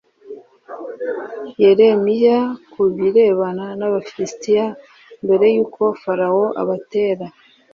yeremiya ku birebana n abafilisitiya mbere y uko farawo abatera